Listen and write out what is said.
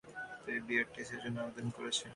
তুমি আরটিআই-এর জন্য আবেদন করেছ?